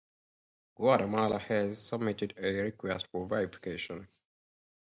Guatemala has submitted a request for verification.